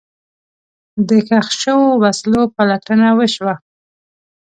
د ښخ شوو وسلو پلټنه وشوه.